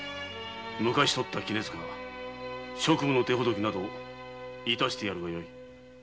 昔とったきねづか職務の手ほどき致してやるがよい。